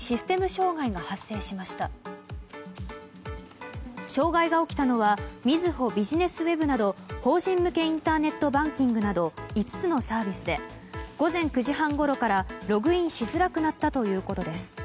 障害が起きたのはみずほビジネスＷＥＢなど法人向けインターネットバンキングなど５つのサービスで午前９時半ごろからログインしづらくなったということです。